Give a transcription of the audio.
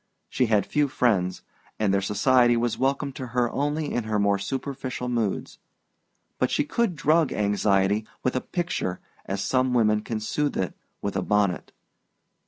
She had few friends, and their society was welcome to her only in her more superficial moods; but she could drug anxiety with a picture as some women can soothe it with a bonnet.